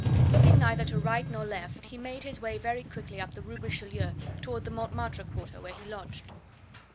Looking neither to right nor left, he made his way very quickly up the Rue Richelieu towards the Montmartre quarter, where he lodged.